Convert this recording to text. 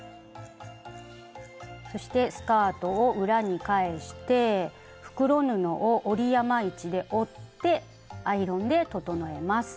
そしてスカートを裏に返して袋布を折り山位置で折ってアイロンで整えます。